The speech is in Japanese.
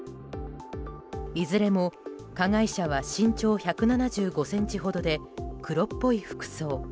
いずれも加害者は身長１７５ｃｍほどで黒っぽい服装。